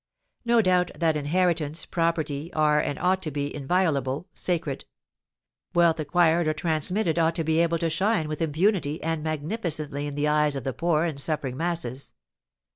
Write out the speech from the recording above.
No doubt that inheritance, property, are, and ought to be, inviolable, sacred. Wealth acquired or transmitted ought to be able to shine with impunity and magnificently in the eyes of the poor and suffering masses.